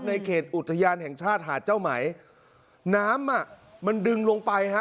ในเขตอุทยานแห่งชาติหาดเจ้าไหมน้ำอ่ะมันดึงลงไปฮะ